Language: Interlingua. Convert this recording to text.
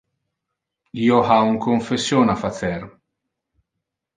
Io ha un confession a facer.